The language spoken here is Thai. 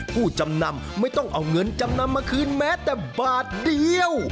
ผู้จำนำไม่ต้องเอาเงินจำนำมาคืนแม้แต่บาทเดียว